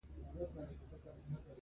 سپين سره می نه لګي، سپین دی د ریا رنګ